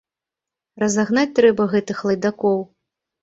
Разагнаць трэба гэтых лайдакоў!